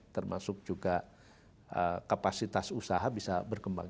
termasuk juga kapasitas usaha bisa berkembang